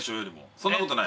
そんなことない？